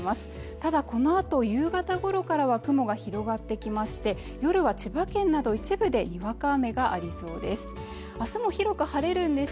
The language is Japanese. ただこのあと夕方頃からは雲が広がってきまして夜は千葉県など一部でにわか雨がありそうです